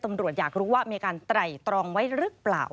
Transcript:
ตำรวจอยากรู้ว่ามีการไตรตรองไว้หรือเปล่า